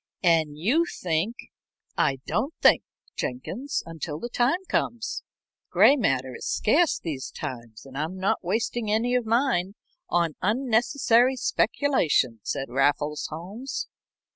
"And you think " "I don't think, Jenkins, until the time comes. Gray matter is scarce these times, and I'm not wasting any of mine on unnecessary speculation," said Raffles Holmes.